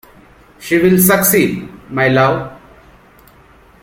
She will succeed, my love!